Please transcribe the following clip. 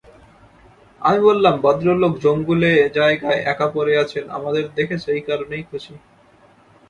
আমি বললাম, ভদ্রলোক জঙ্গুলে জায়গায় একা পড়ে আছেন-আমাদের দেখে সেই কারণেই খুশি।